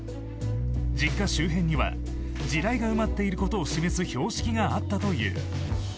実家周辺には地雷が埋まっていることを示す標識があったという。